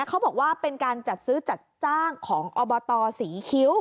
เขาบอกว่าเป็นการจัดซื้อจัดจ้างของอบตศรีคิ้ว